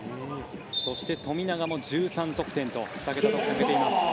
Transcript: そして富永も１３得点と２桁得点を挙げています。